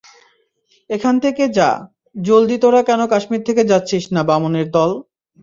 এখান থেকে যা, জলদি তোরা কেন কাশ্মির থেকে যাচ্ছিস না, বামনের দল!